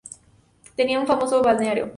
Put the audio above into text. Tenía un famoso balneario.